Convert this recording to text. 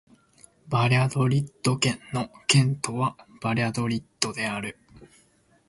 バリャドリッド県の県都はバリャドリッドである